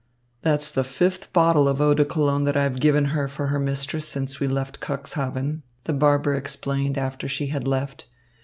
"That's the fifth bottle of eau de Cologne that I've given her for her mistress since we left Cuxhaven," the barber explained after she had left.